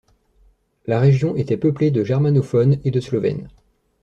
La région était peuplée de germanophones et de slovènes.